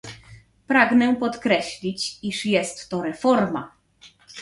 Pragnę podkreślić, iż jest to reforma